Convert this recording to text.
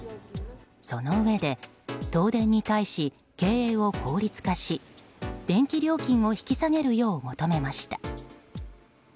そのうえで、東電に対し経営を効率化し電気料金を引き下げるよう求めました。